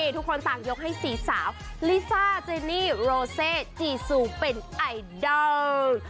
ทุกคนต่างยกให้๔สาวลิซ่าเจนี่โรเซจีซูเป็นไอดอล